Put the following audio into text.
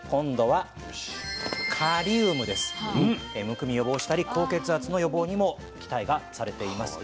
むくみ予防したり高血圧の予防にも期待がされています。